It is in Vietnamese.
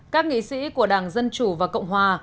các nghị sĩ của đảng dân chủ và cộng hòa